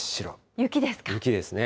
雪ですか。